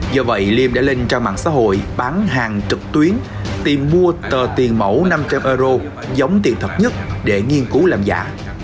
do vậy liêm đã lên trang mạng xã hội bán hàng trực tuyến tìm mua tờ tiền mẫu năm trăm linh euro giống tiền thật nhất để nghiên cứu làm giả